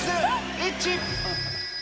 イッチ。